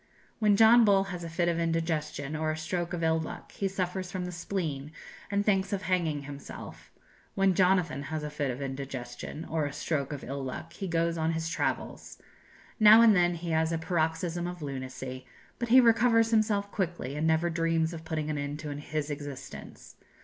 When John Bull has a fit of indigestion, or a stroke of ill luck, he suffers from the spleen, and thinks of hanging himself; when Jonathan has a fit of indigestion, or a stroke of ill luck, he goes on his travels. Now and then he has a paroxysm of lunacy, but he recovers himself quickly, and never dreams of putting an end to his existence.